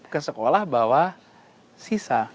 ke sekolah bawa sisa